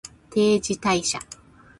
定時退社